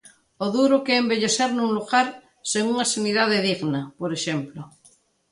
O duro que é envellecer nun lugar sen unha sanidade digna, por exemplo.